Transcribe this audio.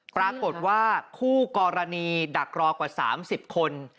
ปรากฏว่าคู่กรณีดักรอกว่า๓๐คน